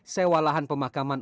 sewa lahan pemakaman